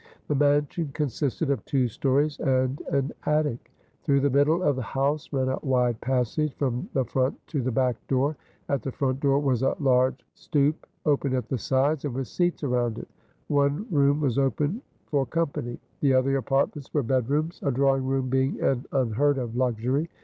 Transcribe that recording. The mansion consisted of two stories and an attic. Through the middle of the house ran a wide passage from the front to the back door. At the front door was a large stoep, open at the sides and with seats around it. One room was open for company. The other apartments were bedrooms, a drawing room being an unheard of luxury.